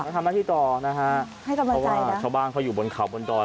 ทำหน้าที่ต่อนะฮะเพราะว่าชาวบ้านเขาอยู่บนเข่าบนดอย